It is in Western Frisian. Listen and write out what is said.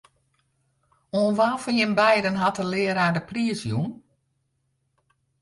Oan wa fan jim beiden hat de learaar de priis jûn?